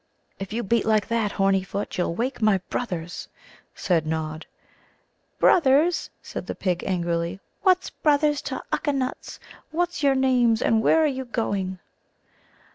"If you beat like that, horny foot, you'll wake my brothers," said Nod. "Brothers!" said the pig angrily. "What's brothers to Ukka nuts? What's your names, and where are you going?"